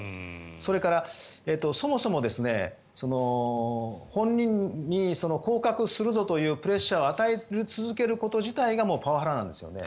それからそもそも本人に降格するぞというプレッシャーを与え続けること自体がもうパワハラなんですよね。